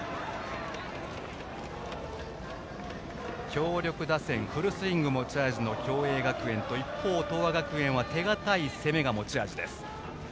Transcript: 強力打線フルスイングが持ち味の共栄学園と一方、東亜学園は手堅い攻めが持ち味です。